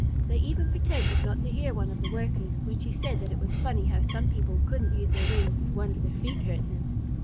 They even pretended not to hear one of the Workers when she said that it was funny how some people couldn't use their wings if one of their feet hurt them.